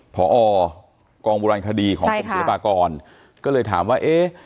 พอกองโบราณคดีของกรมศิลปากรก็เลยถามว่าเอ๊ะ